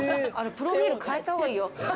プロフィール変えたほうがいいよ。